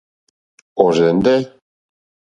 Ɔ̀rzɛ̀ndɛ́.